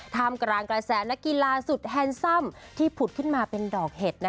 ท่ามกลางกระแสนักกีฬาสุดแฮนซัมที่ผุดขึ้นมาเป็นดอกเห็ด